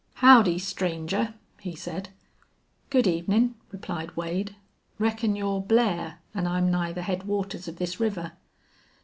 "Howdy, stranger!" he said. "Good evenin'," replied Wade. "Reckon you're Blair an' I'm nigh the headwaters of this river?"